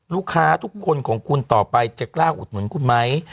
ลูกค้าทุกคนของคุณต่อไปจะกล้าอุดหนุนคุณไหม